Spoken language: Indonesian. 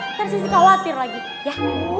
ntar sissy khawatir lagi ya